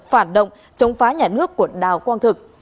phản động chống phá nhà nước của đào quang thực